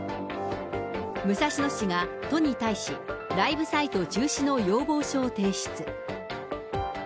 武蔵野市が都に対し、ライブサイト中止の要望書を提出。